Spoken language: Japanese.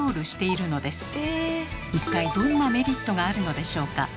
一体どんなメリットがあるのでしょうか？